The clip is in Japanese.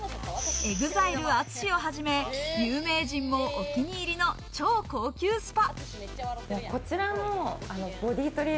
ＥＸＩＬＥ・ＡＴＳＵＳＨＩをはじめ有名人もお気に入りの超高級スパ。